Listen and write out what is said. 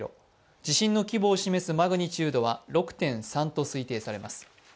地震の規模を示すマグニチュードは６．３と推定されます。